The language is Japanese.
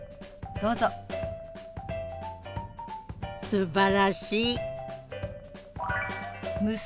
すばらしい！